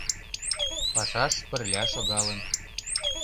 Пашаш пырля шогалын